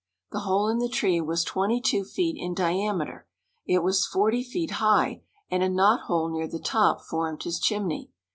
The hole in the tree was twenty two feet in diameter; it was forty feet high, and a knot hole near the top formed his chimney.